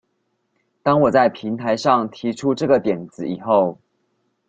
當我在平台上提出這個點子以後